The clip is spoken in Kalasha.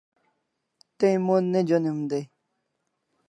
Tay mon ne jonim dai